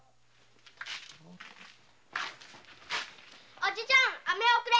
おじちゃんアメおくれ